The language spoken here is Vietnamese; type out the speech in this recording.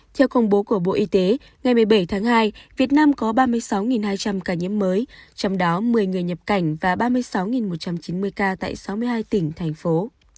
theo công bố của bộ y tế ngày một mươi bảy tháng hai việt nam có ba mươi sáu hai trăm linh ca nhiễm mới trong đó một mươi người nhập cảnh và ba mươi sáu một trăm chín mươi ca tại sáu mươi hai tỉnh thành phố